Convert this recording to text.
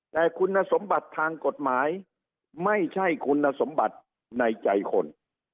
แต่คุณสมบัติทางกฎหมายไม่ใช่คุณสมบัติในใจคน